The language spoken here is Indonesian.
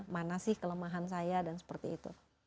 mana sih kelemahan saya dan seperti itu